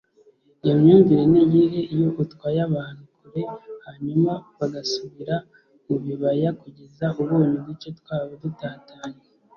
iyo myumvire niyihe iyo utwaye abantu kure hanyuma bagasubira mubibaya kugeza ubonye uduce twabo dutatanye